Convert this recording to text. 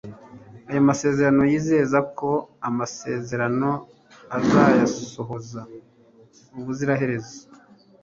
ayo masezerano yizeza ko amasezerano azayasohoza ubuziraherezo